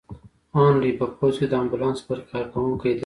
هنري په پوځ کې د امبولانس برخې کارکوونکی دی.